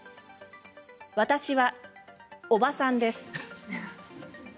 私は、おばさんです。